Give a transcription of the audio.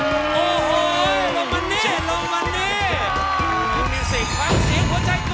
มิสิกฟังเสียงผู้ชายตัวเอง